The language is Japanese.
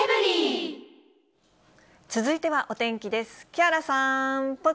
続いてはお天気です。